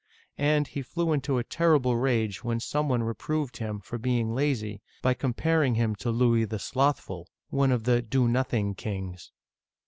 And he flew into a terrible rage when some one reproved him for being lazy, by comparing him to Louis the Slothful, one of the " do nothing kings."